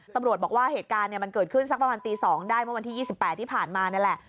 ตำรวจบอกว่าเหตุการณ์มันเกิดขึ้นสักประมาณตี๒ได้เมื่อวันที่๒๘ที่ผ่านมานี่แหละ